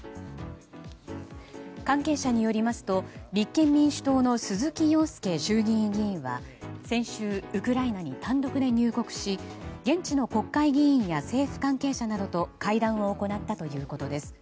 関係者によりますと立憲民主党の鈴木庸介衆議院議員は先週ウクライナに単独で入国し現地の国会議員や政府関係者などと会談を行ったということです。